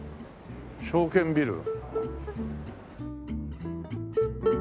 証券ビル。